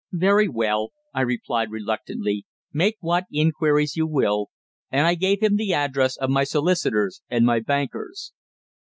"Very well," I replied reluctantly; "make what inquiries you will." And I gave him the address of my solicitors and my bankers.